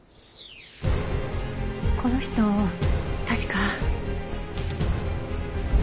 この人確か。